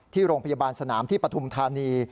ที่โรงพยาบาลสนามที่ปฐุมธานี